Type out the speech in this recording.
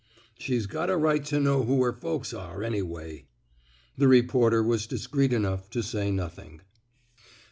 She's got a right to know who her folks are, anyway." The reporter was discreet enough to say nothing.